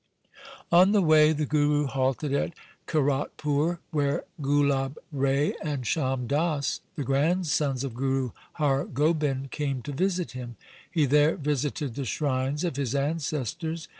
On the way the Guru halted at Kiratpur, where Gulab Rai and Sham Das, the grandsons of Guru Har Gobind, came to visit him. He there visited the shrines of his ancestors.